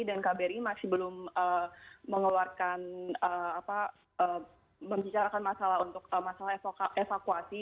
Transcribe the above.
dan kbri masih belum mengeluarkan apa membicarakan masalah untuk masalah evakuasi